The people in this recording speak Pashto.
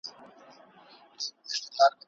مناظره تعصب نه بلکې پوهه غواړي